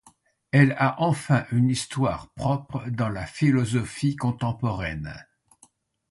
Elle a enfin une histoire propre dans la philosophie contemporaine.